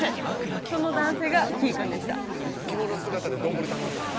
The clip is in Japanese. その男性がきーくんでした着物姿で丼頼んでんの？